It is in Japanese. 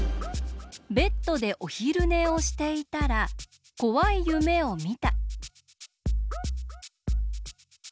ベッドでおひるねをしていたらこわいゆめをみた。